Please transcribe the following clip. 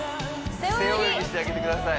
背泳ぎしてあげてください